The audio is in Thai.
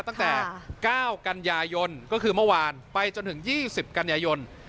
ตั้งแต่๙กันยายนก็คือเมื่อวานไปจนถึง๒๐กันยายน